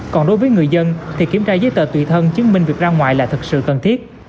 còn đối với người dân thì kiểm tra giấy tờ tùy thân chứng minh việc ra ngoài là thực sự cần thiết